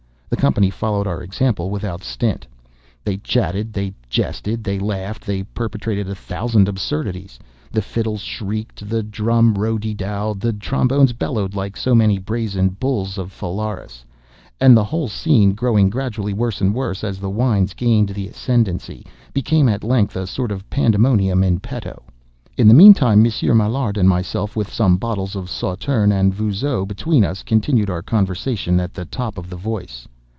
The company followed our example without stint. They chatted—they jested—they laughed—they perpetrated a thousand absurdities—the fiddles shrieked—the drum row de dowed—the trombones bellowed like so many brazen bulls of Phalaris—and the whole scene, growing gradually worse and worse, as the wines gained the ascendancy, became at length a sort of pandemonium in petto. In the meantime, Monsieur Maillard and myself, with some bottles of Sauterne and Vougeot between us, continued our conversation at the top of the voice.